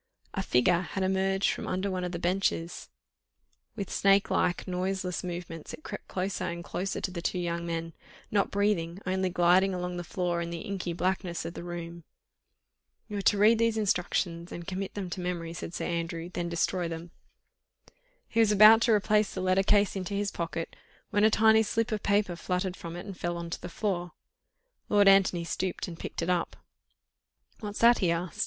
A figure had emerged from under one of the benches; with snake like, noiseless movements it crept closer and closer to the two young men, not breathing, only gliding along the floor, in the inky blackness of the room. "You are to read these instructions and commit them to memory," said Sir Andrew, "then destroy them." He was about to replace the letter case into his pocket, when a tiny slip of paper fluttered from it and fell on to the floor. Lord Antony stooped and picked it up. "What's that?" he asked.